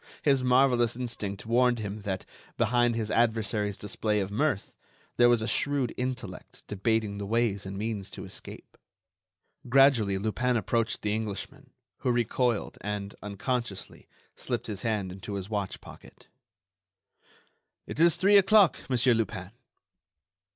His marvellous instinct warned him that, behind his adversary's display of mirth, there was a shrewd intellect debating the ways and means to escape. Gradually Lupin approached the Englishman, who recoiled, and, unconsciously, slipped his hand into his watch pocket. "It is three o'clock, Monsieur Lupin."